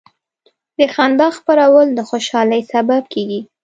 د خندا خپرول د خوشحالۍ سبب کېږي.